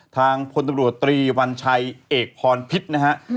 ทางพลตำรวจตรีวัญชัยเอกพรพิษนะฮะ